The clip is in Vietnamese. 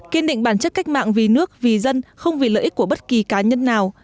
kiên định bản chất cách mạng vì nước vì dân không vì lợi ích của bất kỳ cá nhân nào